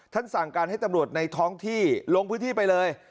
สั่งการให้ตำรวจในท้องที่ลงพื้นที่ไปเลย